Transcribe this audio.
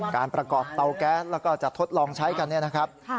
การประกอบเตาแก๊สแล้วก็จะทดลองใช้กันเนี่ยนะครับ